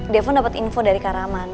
defon dapet info dari kak raman